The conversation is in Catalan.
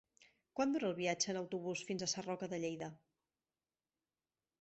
Quant dura el viatge en autobús fins a Sarroca de Lleida?